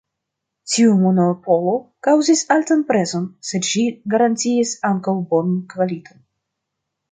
Tiu monopolo kaŭzis altan prezon, sed ĝi garantiis ankaŭ bonan kvaliton.